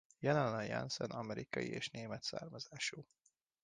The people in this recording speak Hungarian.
Jelena Jensen amerikai és német származású.